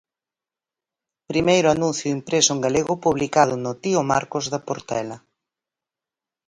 Primeiro anuncio impreso en galego publicado no Tío Marcos da Portela.